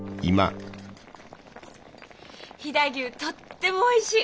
飛騨牛とってもおいしい。